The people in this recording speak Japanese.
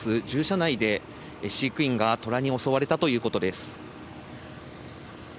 獣舎内で飼育員がトラに襲われたということです。